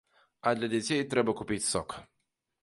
А для дзяцей трэба купіць сок.